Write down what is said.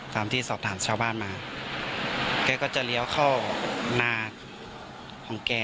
ที่สอบถามชาวบ้านมาแกก็จะเลี้ยวเข้านาของแก